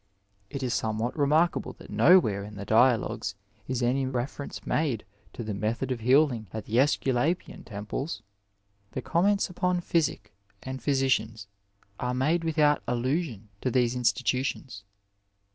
" It is somewhat remarkable that nowhere in the Dialogues is any reference made to the method of healing at the .^^ulapian temples. The comments upon physic and physicians are made without allusion to these institutions.